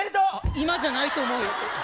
今じゃないと思うよ。